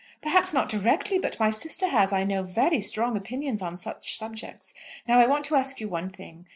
"Perhaps not directly. But my sister has, I know, very strong opinions on such subjects. Now, I want to ask you one thing.